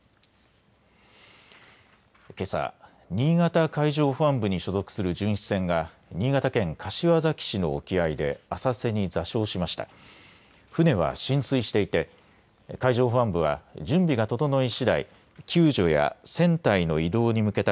けさ、新潟海上保安部に所属する巡視船が新潟県柏崎市の沖合で浅瀬に座礁しました。